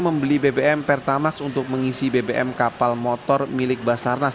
membeli bbm pertamax untuk mengisi bbm kapal motor milik basarnas